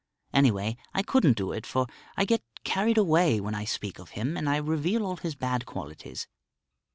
Anyway, I couldn't do it, for I get carried away when I speak of him and I reveal all his bad qualities.